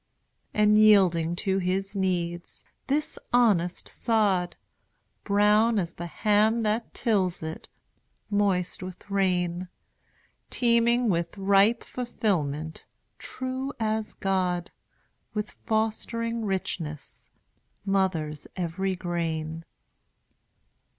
And yielding to his needs, this honest sod, Brown as the hand that tills it, moist with rain, Teeming with ripe fulfilment, true as God, With fostering richness, mothers every grain.